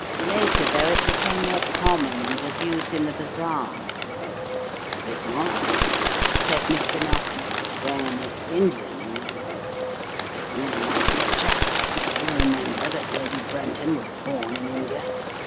Later, though, it became more common and was used in the bazaars." "Bazaars?" said Mr. Narkom. "Then it's Indian, you mean." "My dear chap, do you remember that Lady Brenton was born in India?